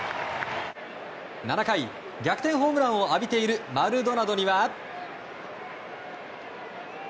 ７回、逆転ホームランを浴びているマルドナドには。